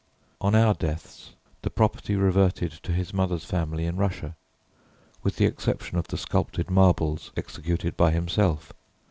On our deaths the property reverted to his mother's family in Russia, with the exception of the sculptured marbles executed by himself.